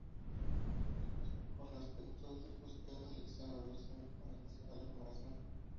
El mismo aborda aspectos de búsqueda, selección, evaluación y comunicación de la información.